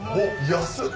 安っ！